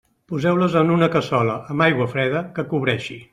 Poseu-les en una cassola, amb aigua freda, que cobreixi.